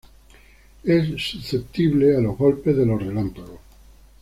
Es susceptible a los golpes de los relámpagos.